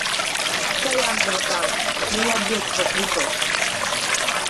Сорян братан, меня бес попутал!